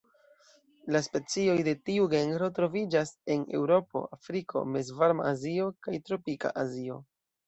La specioj de tiu genro troviĝas en Eŭropo, Afriko, mezvarma Azio kaj tropika Azio.